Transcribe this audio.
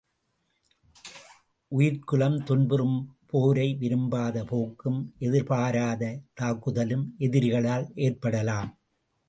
உயிர்க்குலம் துன்புறும் போரை, விரும்பாத போக்கும் எதிர்பாராத தாக்குதலும் எதிரிகளால் ஏற்படலாம்.